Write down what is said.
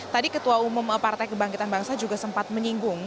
tadi ketua umum partai kebangkitan bangsa juga sempat menyinggung